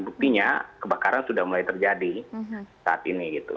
buktinya kebakaran sudah mulai terjadi saat ini gitu